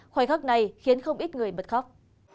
khoảnh khắc này khiến không ít người bật khóc